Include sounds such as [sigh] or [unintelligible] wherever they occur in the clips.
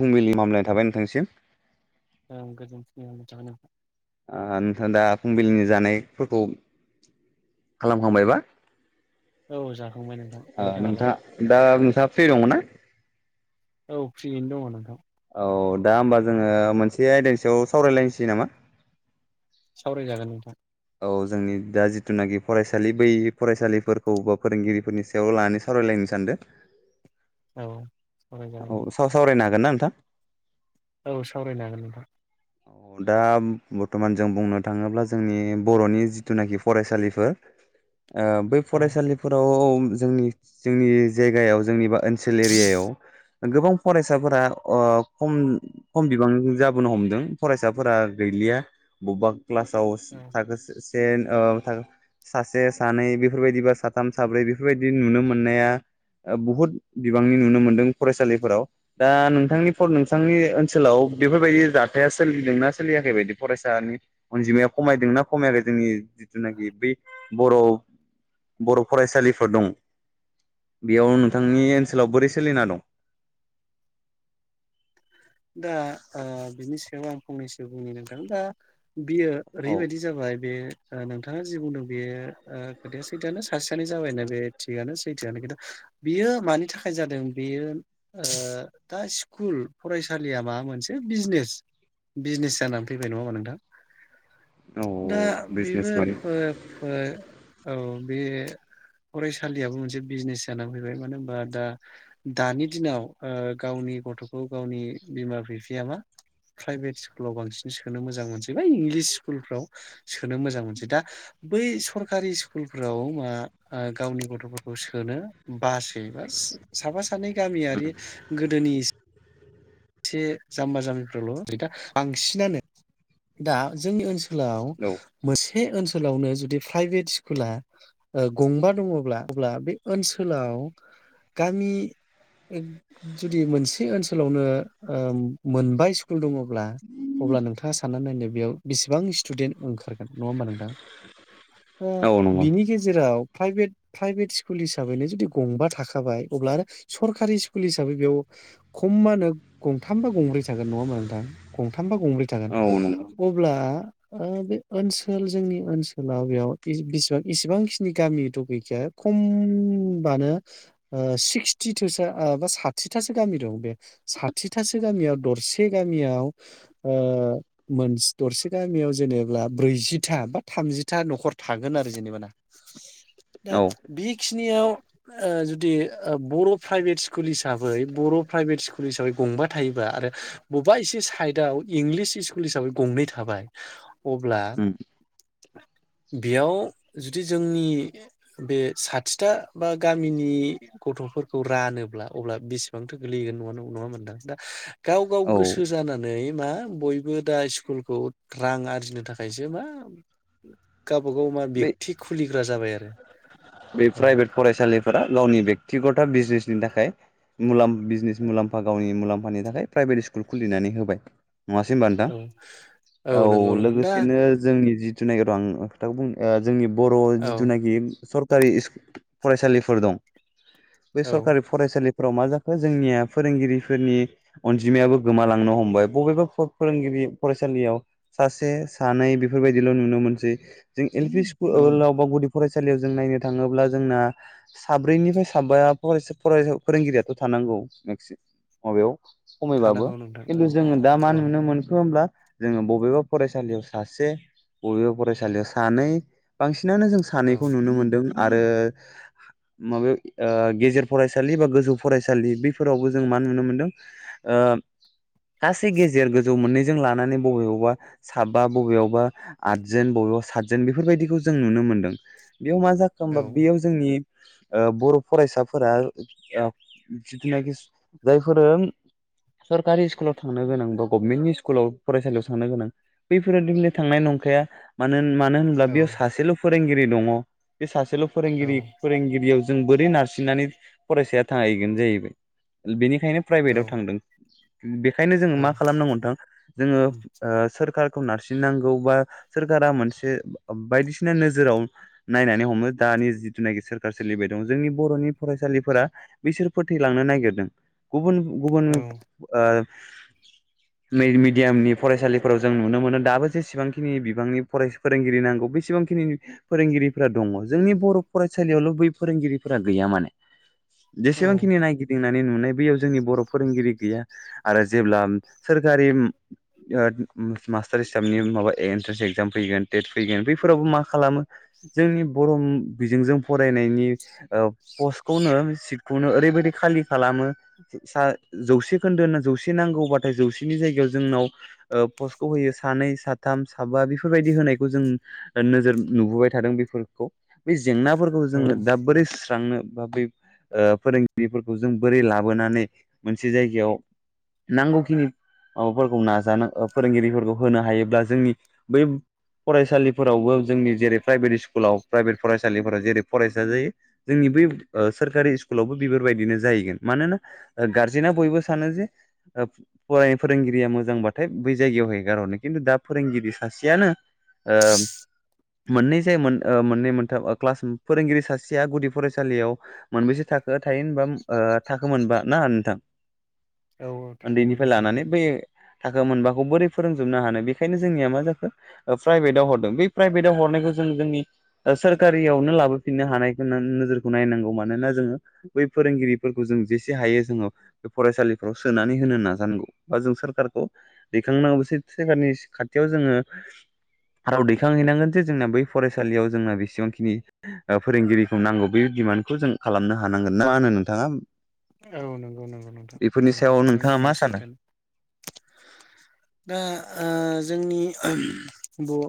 फुंबिलिनि मामलायनाय थाबाय नोंथांनिसिम औ गोजोननि [unintelligible] ओ नोंथां दा फुंबिलिनि जानायफोरखौ खालामखांबायबा? औ जाखांबाय नोंथां नोंथाङालाय नोंथां दा नोंथाङा फ्रि दङ ना? औ फ्रियैनो दङ नोंथां। औ दा होमबा जोङो मोनसे आयदानि सायाव सावरायलायनोसै नामा? सावरायजागोन नोंथां। औ जोंनि दा जिथुनाखि फरायसालि बै फरायसालिफोरखौ बा फोरोंगिरिफोरनि सायाव लानानै सावरायलायनो सानदों। औ सावरायजागोन औ नोंथां साव सावरायनो हागोन ना नोंथां औ सावरायनो हागोन नोंथां। दा बरथमान जों बुंनो थाङोब्ला जोंनि बर'नि जिथुनुखि फरायसालिफोर ओ बै औ फरायसालिफोराव जोंनि जोंनि जायगायाव जोंनि बा ओनसोल एरियायाव गोबां फरायसाफोरा ओ खम खम बिबां जाबोनो हमदों फरायसाफोरा गैलिया बबेबा क्लासाव औ सासे सानै बेफोरबायदिबा साथाम साब्रै बेफोरबायदि नुनो मोननाया बुहुद बिबांनि नुनो मोनदों फरायसालिफोराव दा नों थांनि फ औ नोंथांनि ओन सोलाव बेफोरबायदि जाथाया सोलिदोंना सोलियाखै बायदि फरायसानि अनजिमाया खमायदों ना। खमायाखै जोंनि जिथुनाखि बै बर' बर' फरायसालिफोर दं बेयाव नोंथांनि औ ओनसोलाव बोरै सोलिना दं दा ओ बिनि सायाव आं फंनैसो बुंनो नोंथां दा बियो औ ओरैबायदि जाबाय बे नोंथाङा जि बुंदों बेयो खोथाया सैथोआनो सासे सानै जाबायना बे थियनो सैथोआनो खिन्थु बियो मानि थाखाय जादों बेयो दा स्कुल फरायसालिया माबा मोनसे बिजनेस बिजनेस जानानै फैबाय नङा होनबा नोंथां? औ दा बेबो बिजनेसमेन फै फै औ बे फरायसालियाबो मोनसे बिजनेस जानानै फैबाय मानो होनबा दा दानि दिनाव ओ गावनि गथ गावनि बिमा बिफाया मा प्राइभेट स्कुलाव बांसिन सोनो मोजां मोनसै बा इंलिस स्कुलफ्राव सोनो मोजां मोनसै दा बै सरखारि स्कुलफ्राव आ आ‌ मा गावनि गथफोरखौ सोनो बासै बा साफा सानै गामियारि दिनै इसे जाम्बा जाम्बिफ्राल दा बांसिनानो दा जोंनि ओनसोलाव औ मोनसे ओनसोलावनो जुदि प्राइभेट स्कुला ओ गंबा दङब्ला अब्ला बे ओनसोलाव गामि जुदि मोनसे ओनसोलावनो ओ मोनबा स्कुल दङब्ला अब्ला नोंथाङा साननानै नायनो बेयाव बेसेबां स्टुडेन्ट ओंखारगोन नङा होमबा नोंथां दा औ नंगौ बिनि गेजेराव प्राइभेट प्राइभेट स्कुल हिसाबैनो जुदि गंबा थाखाबाय अब्ला आरो सरकारि स्कुल हिसाबै बेयाव खमानो गंथामबा गंब्रै थागोन नङा होमा नोंथां गंथामबा गंब्रै थागोन औ नंगौ अब्ला ओ बे ओनसोल जोंनि ओनसोलाव बेयाव बेसेबां इसेबांखिनि गामि दं गैखाया खमबानो ओ सिक्सटिथोसो बा साथिथासो गामि दं बे साथिथासो गामियाव दरसे गामियाव ओ मोन दरसे गामियाव जेनेबा ब्रैजिथा बा थामजिथा नखर थागोन आरो जेनेबा ना दा औ बेखिनियाव ओ जुदि बर' प्राइभेट स्कुल हिसाबै बर' प्राइभेट स्कुल हिसाबै गंबा थायोबा आरो बबेबा एसे सायिदाव इंलिस स्कुल हिसाबै गंनै थाबाय अब्ला बेयाव जुदि जोंनि ओ बे साथिथा बा गामिनि गथफोरखौ रानोब्ला अब्ला बेसेबांथो गोगलैगोन ना नङामोन? दा गाव गाव औ गोसो जानानै मा बयबो दा स्कुलखौ रां आरजिनो थाखायसो मा गावबा गाव मा बे बेक्ति खुलिग्रा जाबाय आरो बे औ प्राइभेट फरायसालिफोरा गावनि बेक्तिगत बिजिनेसनि थाखाय मुलाम्फा बिजनेस मुलाम्फा गावनि मुलाम्फानि थाखाय प्राइभेट स्कुल खुलिनानै होबाय नङासै होनबा नोंथां औ औ नंगौ नोंथां दा लोगोसेनो जोंनि जि [unintelligible] जोंनि बर' औ जिथुनाखि सर फरायसालिफोर दं बे औ सरकारि फरायसालि फ्राव मा जाखो जोंनिया फोरोंगिरिफोरनि अनजिमायाबो गोमालांनो हमबाय बबेबा फोरोंगिरि फरायसालियाव सासे सानै बेफोरबायदिल' नुनो मोनसै जों एल पि औ सकुलाव बा गुदि फरायसालियाव जों नायनो थाङोब्ला जोंना साब्रैनिफ्राय साबा फ फरायसा फोरोंगिरियाथ' थानांगौ मेक्सि माबायाव खमायबाबो थानांगौ नोंथां औ खिन्थु जोङो दा मा औ नुनो मोनखो होमब्ला जोङो बबेबा फरायसालियाव सासे बबेबा फरायसालियाव सानै बांसिन सिनानो जों औ सानैखौ नुनो मोन्दों। आरो माबायाव ओ गेजेर फरायसालि बा गोजौ फरायसालि बेफोरावबो जों मा नुनो मोनदों ओ सासे गेजेर गोजौ मोननै जों लानानै बबेयावबा साबा बबेयावबा आदजोन बबेयावबा सातजोन बेफोरबायदिखौ जों नुनो मोनदों बेयाव मा औ एखोमबा बेयाव जोंनि ओ बर' फरायसाफोरा ओ जिथुनाखि जायफोरो सरकारि स्कुलाव थांनो गोनां बा गभमेन्टनि स्कुलाव फरायसालियाव थांनो गोनां बैफोरो [unintelligible] थांनाय नंखाया मानो मानो होनोब्ला बेयाव सासेल फोरोंगिरि दङ बे सासे औ फोरोंगिरि फोरोंगिरियाव जों बोरै नारसिननानै फरायसाया थाहैगोन जाहैबाय बेनि बेंखायनो प्राइभेटाव औ थांदों बेखायनो जोङो मा खालामनांगौ नोंथां जोङो ओ सोरखार खौ नारसिननांगौ बा सोरखारा मोनसे बायदिसिना नोजोराव नायनानै दानि जिथुनाखि सोर सोलिबाय दं जोंनि बर'नि फरायसालिफोरा बिसोर फोथैलांनो नागिरदों गुबुन गुबुन मिडियामनि फरायसालिफोराव जों नुनो मोनो दाबो जेसेबांखिनि बिबांनि फोरोंगिरि नांगौ बेसेबांखिनि फोरोंगिरि दङ जोंनि बर' फरायसालियावल' बै फोरोंगिरिफोरा गैया मोन औ जेसेबांखिनि नायगिदिंनाय बै नुनाय बैयाव जोंनि बर' फोरोंगिरि गैया आरो जेब्ला सोरखारि मास्टार हिसाबनि माबा एन्ट्रेन्स एक्जाम फैगोन टेट फैगोन बैफोरावबो मा खालामो जोंनि बर' बिजोंजों फरायनायनि पस्टखौनो सिटखौनो ओरैबायदि खालि खालामो जौसे खोन्दो होनना जौसे नांगौबाथाय जौसेनि जायगायाव जोंनाव पस्टखौ होयो सानै साथाम साबा बेफोरबायदि होनायखौ जों नोजोर नुबोबाय थादों बे फोरखौ बे जेंनाफोरखौ औ जोङो दा बोरै स्रांनो बा बै ओ फोरोंगिरिफोरखौ जों बोरै लाबोनानै मोनसे जायगायाव नांगौखिनि माबाफोरखौ नाजानो फोरोंगिरिफोरखौ होनो हायोब्ला जोंनि बै फरायसालिफोरावबो जोंनि जेरै प्राइभेट स्कुल स्कुलाव प्राइभे फरायसालिफोराव जेरै फरायसा जायो जोंनि बै सोरखारि स्कुलावबो बेफोरबायदिनो जाहैगोन मानोना गारजेना बयबो सानो जे फराय फोरोंगिरिया मोजांबाथाय बै जायगायाव हेगारहरनो खिन्थु दा फोरोंगिरि सासेयानो मोननै जाय मोन मोननै मोनथाम क्लास फोरोंगिरि सासेया गुदि फरायसालियाव मोनबेसे थाख थायो होनबा थाखो मोनबा ना नोंथां औ थाखो मोनबा उन्दैनिफ्राय थायो लानानै नोंथां बै थाखो मोनबाखौ बोरै फोरोंजोबनो हानो बेखायनो जोंनिया मा जाखो प्राइभेटाव हरदों बै प्राइभेटआव हरनायखौ जों जोंनि सोरखारियावनो लाबोफिननो हानायखौ नोजोरखौ नायनांगौ मानोना जोङो बै फोरोंगिरिफोरखौ जों जेसे हायो जोङो बे फरायसालिफ्राव सोनानै होनो नाजानांगौ बा जों सोरखारखौ दैखांनांगौ सो सोरखारनि खाथियाव जोङो राव दैखांहैनांगोन जे जोंना बै फरायसा सालियाव जोंना बेसेबांखिनि फोरोंगिरिखौ नांगौ बे डिमान्डखौ जों खालामनो हानांगोन ना मा होनो नोंथाङा औ नंगौ नंगौ नोंथां बेफोरनि थारैनो सायाव नों नोंथाङा मा बुंनाया सानो सैथायानो दा जोंनि ब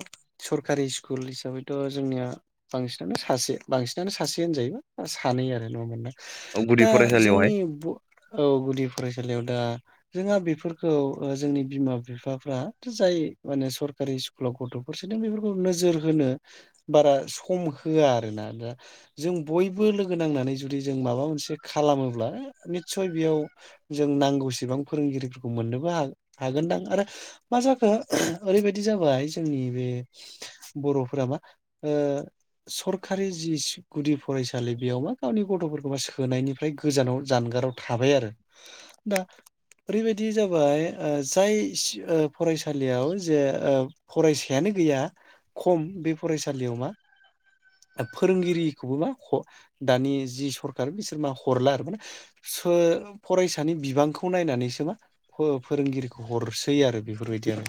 सरखारि स्कुल हिसाबैथ जोंनिया बांसिनानो सासे बांसिनानो सासे होनजायो बा सानै आरो होन जायो औ गुदि फरायसालि जोंनि औ गुदि फरायसालियाव दा जोंहा बेफोरखौ जोंनि बिमा बिफाफ्रा जाय माने सरकारि स्कुलाव गथफोर सोदों बेफोरखौ नोजोर होनो बारा सम होया आरो ना दा जों बयबो लोगो नांनानै जुदि जों माबा मोनसे खालामोब्ला निस्सय बेयाव जों नांगौसेबां फोरोंगिरिफोरखौ मोननोबो हागोनदां आरो मा जाखो ओरैबायदि जाबाय जोंनि बे बर'फोरा मा सरखारि जि गुदि फरायसालि बेयाव मा गावनि गथफोरखौ मा सोनायनि फ्राय गोजानाव जानगाराव थाबाय आरो दा ओरैबायदि जाबाय जाय फरायसालियाव जे फरायसायानो गैया खम बे फरायसालियाव मा फोरोंगिरिखौबो मा दानि जि सरखार बिसोर मा हरला आरो माने फरायसानि बिबांखौ नायनानैसो मा फो फोरोंगिरिखौ हरसै आरो बेफोरबायदि आरो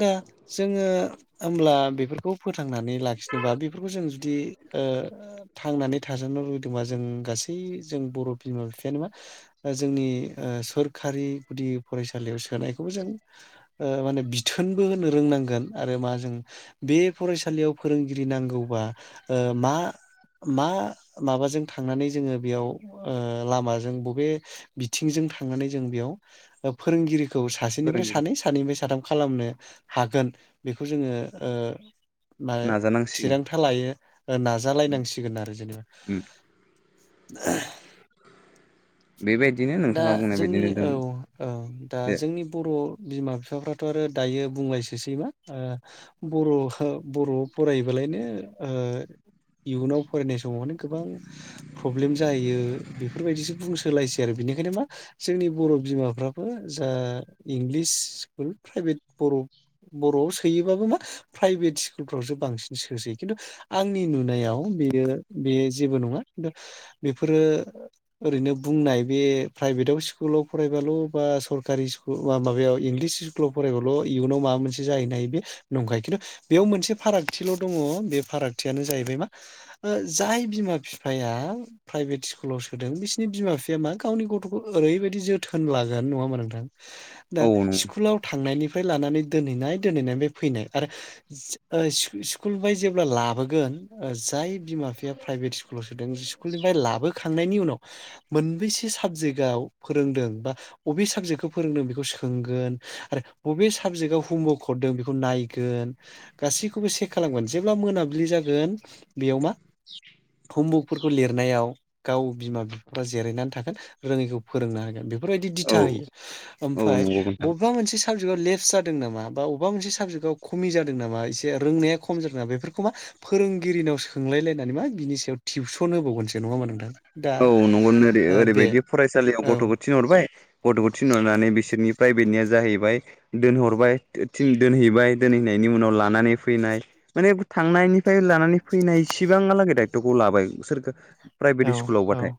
दा जोङो होमब्ला बेफोरखौ फोथांनानै लाखिनोबा बेफोरखौ जों जुदि थांनानै थाजानो लुबैदोंबा जों गासैबो गासै जों बर' बिमा बिफायानो मा जोंनि सोरखारि गुदि फरायसालियाव सोनायखौबो जों ओ माने बिथोनबो होनो रोंनांगोन आरो मा जों बे फरायसालियाव फोरोंगिरि नांगौबा मा मा माबाजों थांनानै जोङो बेयाव लामाजों बबे बिथिंजों थांनानै जों बेयाव फोरोंगिरि खौ सासेनिफ्राय फोरोंगिरि सानै सानैनिफ्राय साथाम खालामनो हागोन बेखौ जोङो ओ माने नाजानांसिगोन थिरांथा लायो नाजालायनांसिगोन आरो जेनेबा उम द [inaudible] बेबायदिनो दा नोंथाङा बुंनाय जोंनि बायदिनो जों औ औ दा बे जोंनि बर' बिमा बिफ बिफाफोराथ आरो दायो बुंलायसोसै ओ मा बर' बर'याव फरायोबालायनो इयुनाव फरायनाय समावनो गोबां प्रब्लेम जायो बेफोरबायदिसो बुंसोलायसै आरो बिनिखायनो मा जोंनि बर' बिमाफ्राबो जा इंलिस स्कुल प्रभेट बर' बर'आव सोयोबाबो मा प्राइभेट स्कुलफ्रावसो बांसिन सोसै खिन्थु आंनि नुनायाव बेयो बे जेबो नङा खिन्थु बेफोरो ओरैनो बुंनाय बे प्राइभेटाव स्कुलाव फरायबाल बा सरकारि स्कुला माबायाव इंलिस स्कुलाव फरायबाल इयुनाव माबा मोनसे जाहैनो हायो बे नंखाय खिन्थु बेयाव मोनसे फारागथिल दङ बे फारागथियानो जाहैबाय मा जाय बिमा बिफाया प्राइभेट स्कुलाव सोदों बिसिनि बिमा बिफाया मा गावनि गथखौ ओरैबायदि जोथोन लागोन नङामोन नोंथां दा औ नंगौ स्कुलाव थांनायनि फ्राय लानानै दोहैनाय दोनहैनायनि फैनाय आरो स्कुल जेब्ला लाबोगोन जाय बिमा बिफभेट स्कुलाव सोदों स्कुल लाबोखांनायनि उनाव मोनबैसे साबजेक्टव फोरोंदों बा बबे साबजेक्टखौ फोरोंदों बेखौ सोंगोन आरो बबे साबजेक्टआव हमवर्क हरदों बेखौ नायगोन गासैखौबो सेक खालामगोन जेब्ला मोनाबिलि जागोन बेयाव मा हमवर्कफोरखौ लिरनायाव गाव बिमा बिफाफ्रा जिरायनानै थाखाय रोङैखौ फोरोंना होगोन बेफोरबायदि औ दिथा होयो औ ओमफ्राय नंगौ नोंथां बबेबा मोनसे साबजेक्टआव लेप्स जादों नामा बा बबेबा मोनसे साबजेक्टआव खमि जादों नामा एसे रोंनाया खम जादों नामा बेफोरखौ मा फोरोंगिरिनाव सोंलायलायनानै मा बिनि सायाव टिउसन होबावगोनसो नङा मा नोंथां दा नंग ओ बे ओरैबायदि फरायसालियाव औ गथ'खौ थिनहरबाय गथ'खौ थिनरनानै बिसोरनि प्राइभेटनिया जाहैबाय दोनहरबाय दोनहैबाय दोनहैनायनि उनाव लानानै फैनाय माने थांनायनिफ्राय लानानै फैनायसिबांआ लागै दा खौ लाबाय सोरखौ औ प्राइभेट औ स्कुलावबाथाय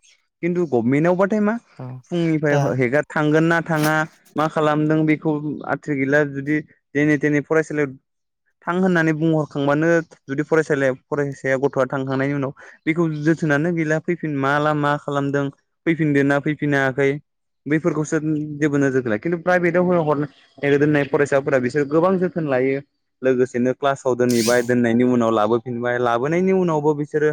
खिन्थु गभमेन्टआवबा नाथाय मा औ फुंनिफ्राय दा हेगार थांगोन ना थाङा मा खालामदों बेखौ आथ्रि गैला जुदि जेने देने फरायसालियाव थां होननानै बुंहरखांबानो जुदि फरायसालि फरायसाया गथ'आ थांखांनायनि उनाव बेखौ जोथोनानो गैला फैफिन मा लामा खालामदों फैफिनदो ना फैफिन हायाखै बैफोरखौसो जेबो नोजोरथोन ल खिन्थु प्राइभेटाव ह दोननाय फरायसाफोरा बिसोर गोबां जोथोन लायो लोगोसेनो क्लासाव औ दोनहैबाय दोननायनि उनाव लाबो बिनिफ्राय लाबोनायनि उनावबो बिसोरो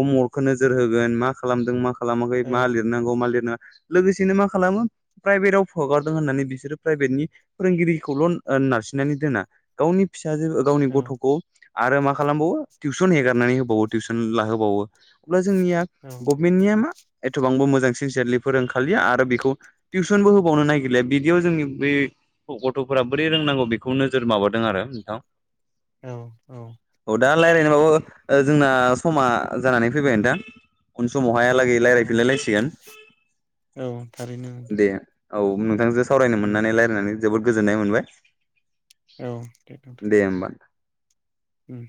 अम अर्खखौ नोजोर होगोन मा खालामदों मा खालामाखै औ मा लिरनांगौ मा लिरनो लोगोसेनो मा खालामो प्राइभेटआव फगारदों होननानै बिसोरो प्राइभेटनि फोरोंगिरिखौल' नारसिननानै दोना गावनि फिसा [unintelligible] गावनि औ गथ'खौ आरो मा खालामबावो टिउसन हेगारनानै होबावो टिउसन लाहोबावो अब्ला जोंनिया गभमेन्टनिया मा एथ'बांबो मोजां सिनसियारलि फोरोंखालिया आरो बेखौ टिउसनबो होबावनो नागिरलिया बिदियाव जोंनि बे गथ'फोरा बोरै रोंनांगौ बेखौ नोजोर माबादों आरो नोंथां। औ औ दा‌ रायलायनोबाबो जोंना समा जानानै फैबाय नोंथां। उन समावहा औ लागै औ औ थारैनो। दे औ नोंथांजों सावरायनो उम मोननानै रायलायनानै जोबोद गोजोननाय मोनबाय औ [unintelligible] दे होमबा उम।